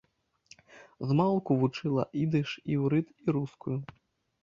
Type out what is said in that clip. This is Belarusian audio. Змалку вывучыла ідыш, іўрыт і рускую.